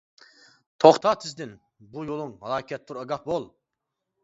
توختا تېزدىن، بۇ يۇلۇڭ ھالاكەتتۇر ئاگاھ بول!